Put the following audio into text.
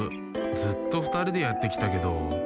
ずっとふたりでやってきたけど。